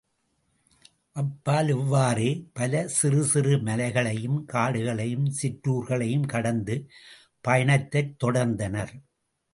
அப்பால் இவ்வாறே பல சிறுசிறு மலைகளையும் காடுகளையும் சிற்றுார்களையும் கடந்து பயணத்தைத் தொடர்ந்தனர்.